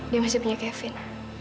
dia masih punya kevin